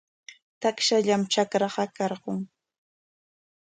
Takshallam trakraqa karqun.